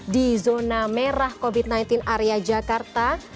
di zona merah covid sembilan belas area jakarta